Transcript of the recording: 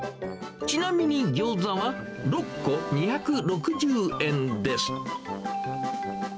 ちなみにギョーザは６個２６０円です。